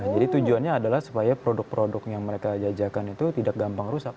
jadi tujuannya adalah supaya produk produk yang mereka jajakan itu tidak gampang rusak